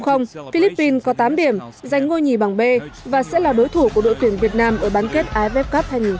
philippines có tám điểm giành ngôi nhì bằng b và sẽ là đối thủ của đội tuyển việt nam ở bán kết if cup hai nghìn một mươi tám